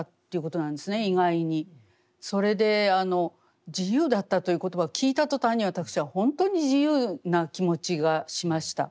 それで「自由だった」という言葉を聞いた途端に私は本当に自由な気持ちがしました。